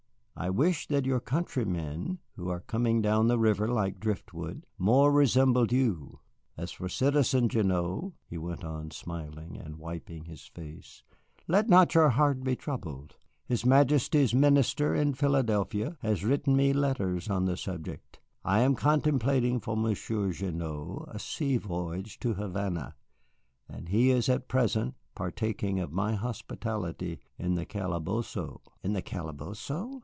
I wish that your countrymen, who are coming down the river like driftwood, more resembled you. As for Citizen Gignoux," he went on, smiling, and wiping his face, "let not your heart be troubled. His Majesty's minister at Philadelphia has written me letters on the subject. I am contemplating for Monsieur Gignoux a sea voyage to Havana, and he is at present partaking of my hospitality in the calabozo." "In the calabozo!"